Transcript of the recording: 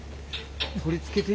取り付けてる。